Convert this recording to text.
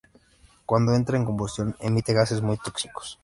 Cuando entra en combustión emite gases muy tóxicos.